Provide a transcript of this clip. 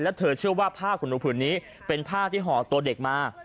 แล้วเธอเชื่อว่าผ้าขนหนูผืนนี้เป็นผ้าที่ห่อตัวเด็กมา